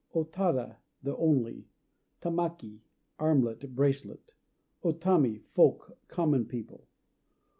O Tada "The Only." Tamaki "Armlet," bracelet. O Tami "Folk," common people.